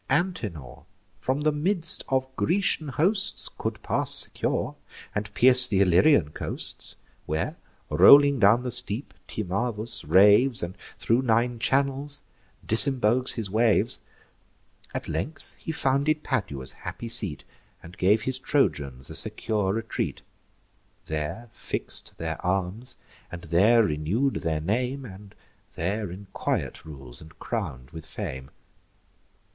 Antenor, from the midst of Grecian hosts, Could pass secure, and pierce th' Illyrian coasts, Where, rolling down the steep, Timavus raves And thro' nine channels disembogues his waves. At length he founded Padua's happy seat, And gave his Trojans a secure retreat; There fix'd their arms, and there renew'd their name, And there in quiet rules, and crown'd with fame.